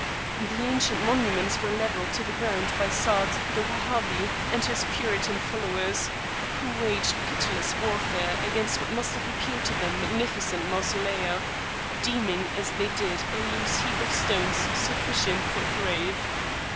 The ancient monuments were levelled to the ground by Saad the Wahhabi and his puritan followers, who waged pitiless warfare against what must have appeared to them magnificent mausolea, deeming as they did a loose heap of stones sufficient for a grave.